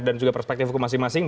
dan perspektif hukum masing masing